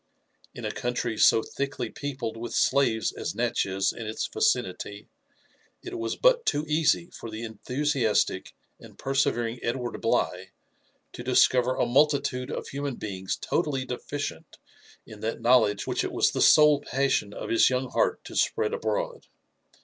In a country so thickly peopled with slaves as Natchez and its yicinity, it was but too easy for the enthusiastic and persevering Ed ward Bligh to discover a multitude of human beings totally deficient in that knowledge which it was the sole passion of his young heart to spread abroad.